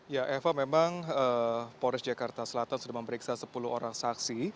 ya eva memang polres jakarta selatan sudah memeriksa sepuluh orang saksi